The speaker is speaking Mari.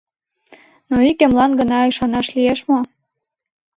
Но ик эмлан гына ӱшанаш лиеш мо?